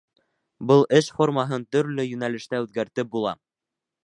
Был эш формаһын төрлө йүнәлештә үҙгәртеп була.